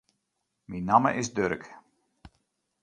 Myn namme is Durk.